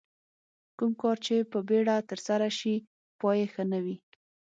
کوم کار چې په بیړه ترسره شي پای یې ښه نه وي.